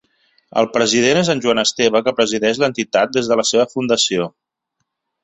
El president és en Joan Esteve que presideix l'entitat des de la seva fundació.